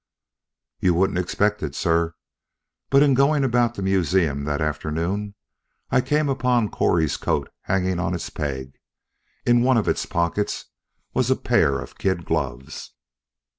"You wouldn't expect it, sir. But in going about the museum that afternoon, I came upon Correy's coat hanging on its peg. In one of its pockets was a pair of kid gloves."